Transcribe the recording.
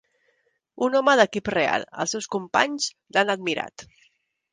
Un home d'equip real, els seus companys l'han admirat.